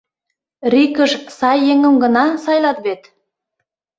РИК-ыш сай еҥым гына сайлат вет!